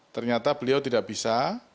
ternyata beliau tidak bisa